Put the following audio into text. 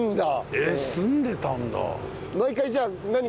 えっ住んでたんだ。